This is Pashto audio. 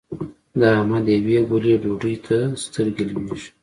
د احمد يوې ګولې ډوډۍ ته سترګې لوېږي.